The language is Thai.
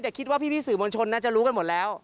แต่คิดว่าพี่สื่อมวลชนน่าจะรู้กันหมดแล้ว